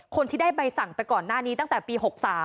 คนที่ได้ใบสั่งไปก่อนหน้านี้ตั้งแต่ปี๖๓